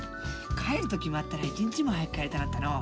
帰ると決まったら一日も早く帰りたくなったのう。